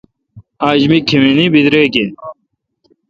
اج می کھمینین بدریگ این